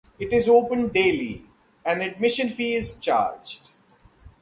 It is open daily; an admission fee is charged.